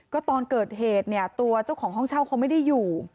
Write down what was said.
ก็ตอนเกิดเหตุเนี่ยตัวเจ้าของห้องเช่าเขาไม่ได้อยู่